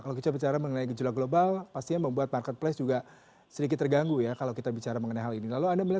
kalau kita bicara mengenai gejolak global pastinya membuat marketplace juga sedikit terganggu ya kalau kita bicara mengenai hal ini